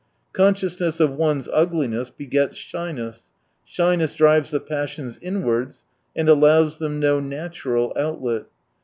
Consciousness of one's ugliness begets shy ness, shyness drives the passions inwards and allows them no natural outlet.